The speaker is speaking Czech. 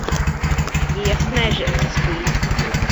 Je jasné, že existují.